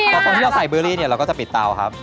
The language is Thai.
แล้วตะที่เราใส่บลูอรี่เราก็จะปิดเตาครับ